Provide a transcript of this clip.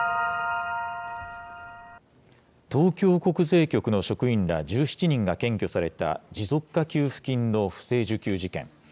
東京国税局の職員ら１７人が検挙された持続化給付金の不正受給事件。